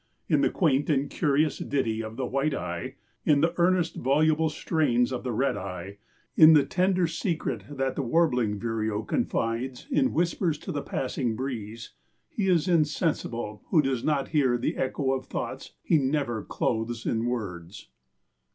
In the quaint and curious ditty of the white eye, in the earnest, voluble strains of the red eye, in the tender secret that the warbling vireo confides in whispers to the passing breeze, he is insensible who does not hear the echo of thoughts he never clothes in words."